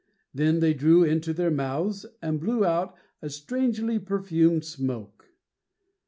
Then they drew into their mouths and blew out a strangely perfumed smoke!